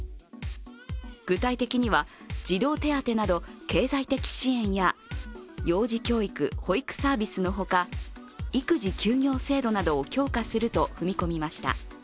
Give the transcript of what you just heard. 具体的には児童手当など経済的支援や幼児教育・保育サービスのほか育児休業制度などを強化すると踏み込みました。